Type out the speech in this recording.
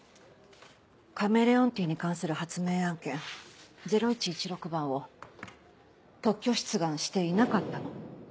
カメレオンティーに関する発明案件０１１６番を特許出願していなかったの。